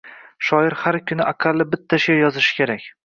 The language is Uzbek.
Shoir har kuni aqalli bitta she’r yozishi kerak